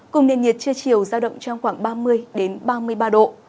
cùng nền nhiệt chưa chiều giao động trong khoảng ba mươi ba mươi ba độ